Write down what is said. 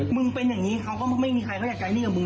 มันเป็นอย่างนี้เขาก็ไม่มีใครเขาอยากใช้หนี้กับมึง